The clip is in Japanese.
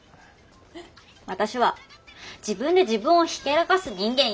私は自分で自分をひけらかす人間嫌なの。